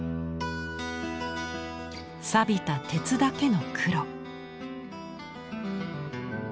さびた鉄だけの黒。